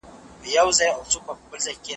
لورې ته باید ژر تر ژره د ننه راشې.